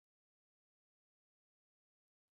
په دې لویه وچه کې د نفتو او سرو زرو کانونه شته دي.